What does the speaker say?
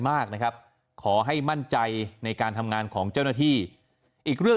มากนะครับขอให้มั่นใจในการทำงานของเจ้าหน้าที่อีกเรื่อง